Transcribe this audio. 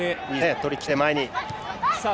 とりきって前に。